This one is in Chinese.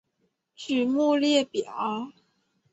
曲目列表